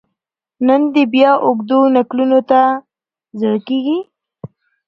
نن دي بیا اوږدو نکلونو ته زړه کیږي